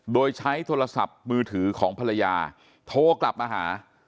โดยใช้โทรศัพท์มือถือของภรรยาโทรกลับมาหา